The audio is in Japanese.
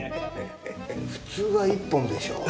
普通は１本でしょう。